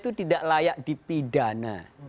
itu tidak layak dipidana